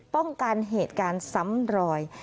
ป้องกันเหตุการณ์ซ้ำรอย